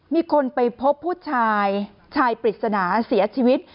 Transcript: มีคนไปพบผู้ชายชายปริศนาเสียชีวิต